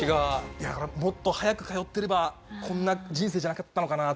いやだからもっと早く通ってればこんな人生じゃなかったのかなって思いますよね。